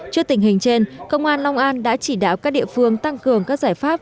trước tình hình trên công an long an đã chỉ đạo các địa phương tăng cường các giải pháp